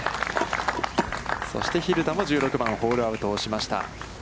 そして蛭田も１６番ホールアウトをしました。